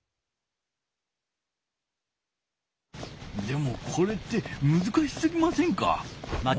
でもこれってむずかしすぎませんか？